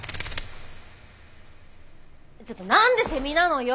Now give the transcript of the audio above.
ちょっと何でセミなのよ。